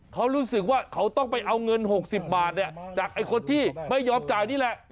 เขารู้สึกว่าเขาต้องไปเอาเงิน๖๐บาทจากคนที่ไม่ยอมจ่ายนี่แหละ